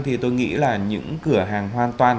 thì tôi nghĩ là những cửa hàng hoàn toàn